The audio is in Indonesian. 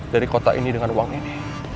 dari kota ini dengan uang ini